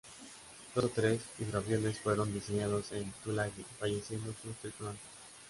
Dos o tres hidroaviones fueron dañados en Tulagi, falleciendo sus tripulantes.